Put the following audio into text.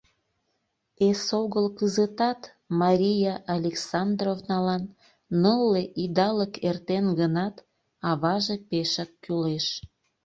Эсогыл кызытат, Мария Александровналан нылле идалык эртен гынат, аваже пешак кӱлеш.